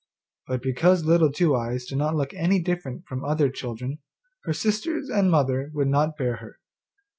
But because Little Two eyes did not look any different from other children, her sisters and mother could not bear her.